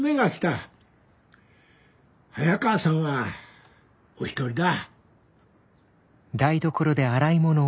早川さんはお一人だ。